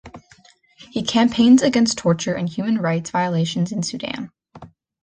He campaigns against torture and human rights violations in Sudan.